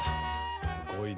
すごいね。